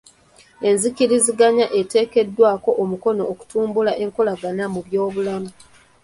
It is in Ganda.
Enzikiriziganya eteekeddwako omukono okutumbula enkolagana mu by'obulamu.